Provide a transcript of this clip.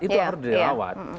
itu harus dirawat